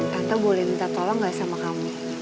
tante boleh minta tolong gak sama kamu